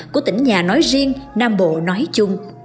của tỉnh nhà nói riêng nam bộ nói chung